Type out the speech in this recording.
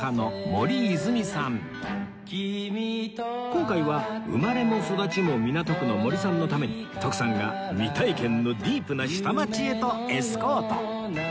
今回は生まれも育ちも港区の森さんのために徳さんが未体験のディープな下町へとエスコート